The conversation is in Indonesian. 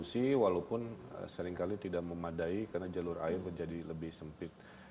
saat ini bergabung dalam hal ini